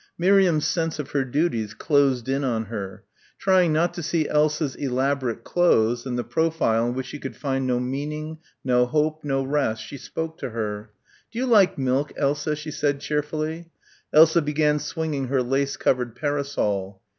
Miriam's sense of her duties closed in on her. Trying not to see Elsa's elaborate clothes and the profile in which she could find no meaning, no hope, no rest, she spoke to her. "Do you like milk, Elsa?" she said cheerfully. Elsa began swinging her lace covered parasol.